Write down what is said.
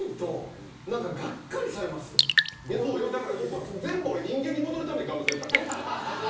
だから全部俺人間に戻るために頑張ってるからね。